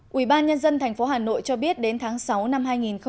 quỹ ban nhân dân tp hà nội cho biết đến tháng sáu năm hai nghìn một mươi bảy